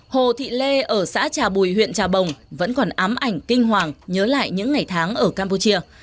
hồ thị lê ở xã trà bùi huyện trà bồng vẫn còn ám ảnh kinh hoàng nhớ lại những ngày tháng ở campuchia